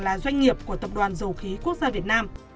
là doanh nghiệp của tập đoàn dầu khí quốc gia việt nam